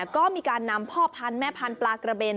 ก็มีการนำพ่อพันธุ์แม่พันธุ์ปลากระเบน